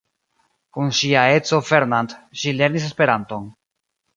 Kun ŝia edzo Fernand ŝi lernis Esperanton.